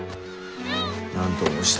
何と申した？